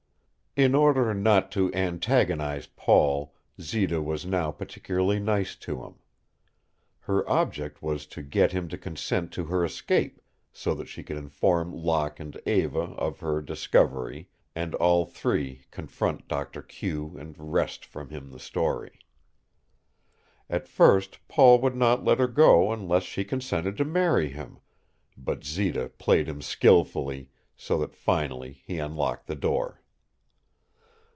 In order not to antagonize Paul, Zita was now particularly nice to him. Her object was to get him to consent to her escape, so that she could inform Locke and Eva of her discovery and all three confront Doctor Q and wrest from him the story. At first Paul would not let her go unless she consented to marry him, but Zita played him skilfully, so that finally he unlocked the door.